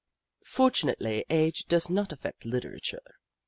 Fortunately age does not affect literature.